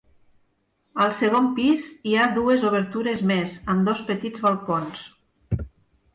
Al segon pis, hi ha dues obertures més, amb dos petits balcons.